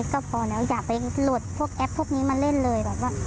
ให้เล่นแค่เฟซคุยกับเพื่อนในเฟซก็พอแล้วอย่าไปหลวดแอปพวกนี้มาเล่นเลย